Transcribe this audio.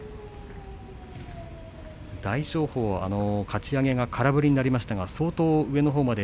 大翔鵬はかち上げが空振りになりましたが相当、上のほうまで